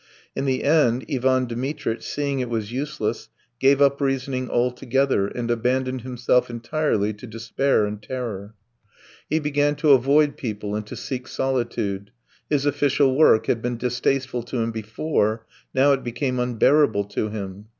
In the end Ivan Dmitritch, seeing it was useless, gave up reasoning altogether, and abandoned himself entirely to despair and terror. He began to avoid people and to seek solitude. His official work had been distasteful to him before: now it became unbearable to him.